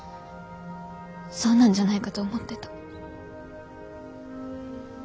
そうなんじゃないかと思ってた。